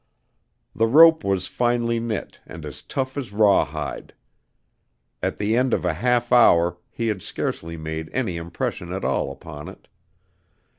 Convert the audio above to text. The rope was finely knit and as tough as raw hide. At the end of a half hour he had scarcely made any impression at all upon it.